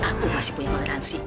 aku masih punya pengaransi